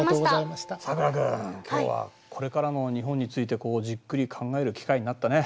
さくら君今日はこれからの日本についてじっくり考える機会になったね。